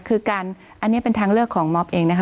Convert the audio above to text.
คือการอันนี้เป็นทางเลือกของมอบเองนะคะ